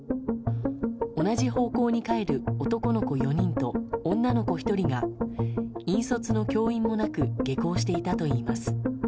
同じ方向に帰る男の子４人と女の子１人が引率の教員もなく下校していたといいます。